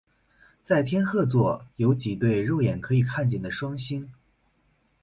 在天鹤座有几对肉眼可以看见的双星。